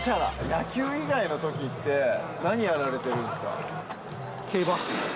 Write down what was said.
野球以外のときって何やられてる競馬。